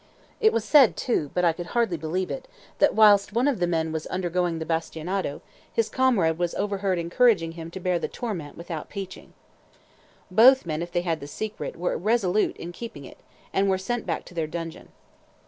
It was said too (but I could hardly believe it), that whilst one of the men was undergoing the bastinado, his comrade was overheard encouraging him to bear the torment without peaching. Both men, if they had the secret, were resolute in keeping it, and were sent back to their dungeon.